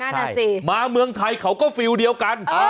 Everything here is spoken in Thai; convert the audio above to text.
มากับเมืองไทยเขาก็เฝียวเดียวกัน